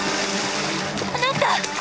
あなた！